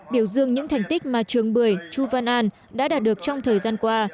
biểu dương những thành tích mà trường bưởi chu văn an đã đạt được trong thời gian qua